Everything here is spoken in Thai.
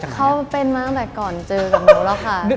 เขาเป็นมาตั้งแต่ก่อนเจอกับหนูแล้วค่ะ